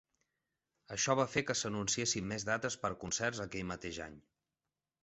Això va fer que s'anunciessin més dates per a concerts aquell mateix any.